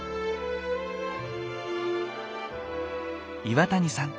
岩谷さん